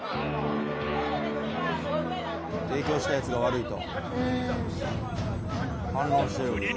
提供したやつが悪いと。